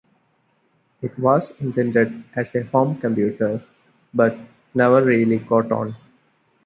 It was intended as a home computer, but never really caught on.